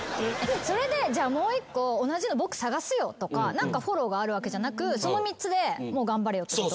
それでじゃあもう１個同じの僕探すよとか何かフォローがあるわけじゃなくその３つで頑張れよってこと？